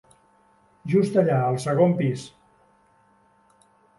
Just allà al segon pis.